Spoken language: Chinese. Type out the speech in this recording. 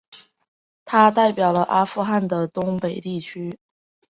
他代表了阿富汗的东北地区。